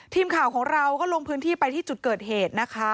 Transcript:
ทีมข่าวของเราก็ลงพื้นที่ไปที่จุดเกิดเหตุนะคะ